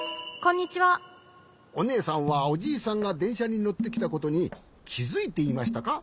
おねえさんはおじいさんがでんしゃにのってきたことにきづいていましたか？